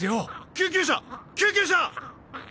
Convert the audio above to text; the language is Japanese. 救急車救急車！